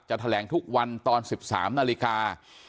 จะแถลงทุกวันตอนสิบสามนาฬิกา